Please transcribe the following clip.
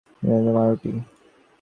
সুস্বাদু মাংসওয়ালা পাউরুটি।